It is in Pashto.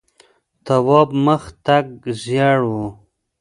تواب مخ تک ژېړ و.